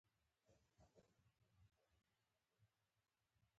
باید په تدبیر او متانت سره تر پایه پورې ورسول شي.